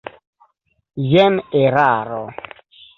Jen eraro.